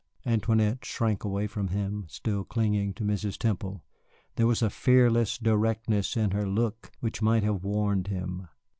Antoinette shrank away from him, still clinging to Mrs. Temple. There was a fearless directness in her look which might have warned him.